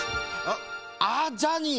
あっジャーニー。